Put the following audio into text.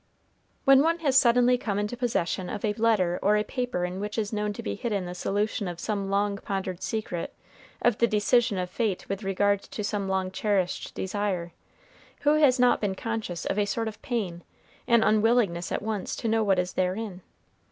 When one has suddenly come into possession of a letter or paper in which is known to be hidden the solution of some long pondered secret, of the decision of fate with regard to some long cherished desire, who has not been conscious of a sort of pain, an unwillingness at once to know what is therein?